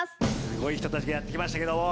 すごい人たちがやって来ましたけども。